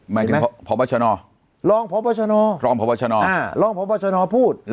หมายถึงพอบชนลองพอบชนพอบชนพูด